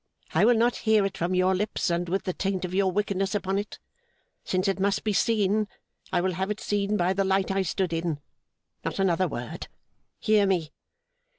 I will not hear it from your lips, and with the taint of your wickedness upon it. Since it must be seen, I will have it seen by the light I stood in. Not another word. Hear me!